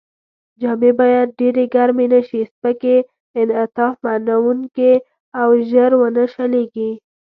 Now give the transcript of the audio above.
جامې باید ډېرې ګرمې نه شي، سپکې، انعطاف منوونکې او ژر و نه شلېږي.